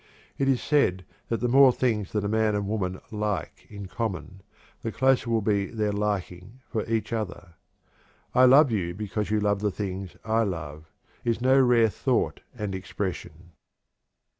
It is said that the more things that a man and woman "like" in common, the closer will be their "liking" for each other. "I love you because you love the things I love," is no rare thought and expression.